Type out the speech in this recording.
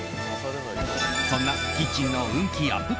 そんなキッチンの運気アップ